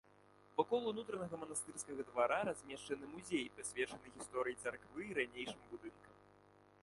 Вакол ўнутранага манастырскага двара размешчаны музей, прысвечаны гісторыі царквы і ранейшым будынкам.